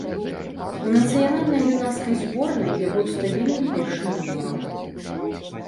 У нацыянальнай юнацкай зборнай я быў стабільным першым нумарам.